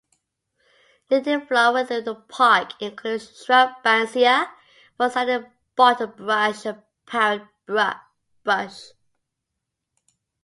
Native flora within the park includes shrub banksia, one-sided bottlebrush and parrot bush.